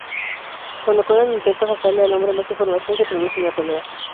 Cuando Conan intenta sacarle al hombre más información, se produce una pelea.